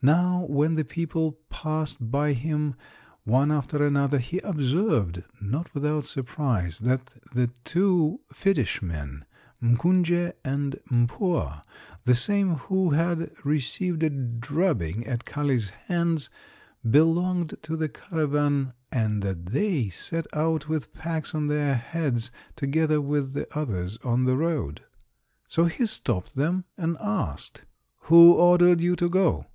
Now when the people passed by him, one after another, he observed, not without surprise, that the two fetishmen, M'Kunje and M'Pua the same who had received a drubbing at Kali's hands belonged to the caravan and that they set out with packs on their heads together with the others on the road. So he stopped them and asked: "Who ordered you to go?"